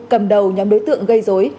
cầm đầu nhóm đối tượng gây dối